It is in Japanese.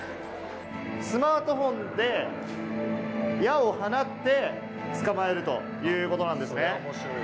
スマートフォンで矢を放って捕まえるということなんですね。